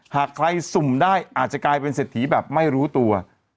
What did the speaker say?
หากใครสุ่มได้อาจจะกลายเป็นเศรษฐีแบบไม่รู้ตัว